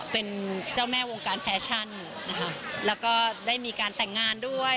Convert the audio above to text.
เป็นเจ้าแม่วงการแฟชั่นนะคะแล้วก็ได้มีการแต่งงานด้วย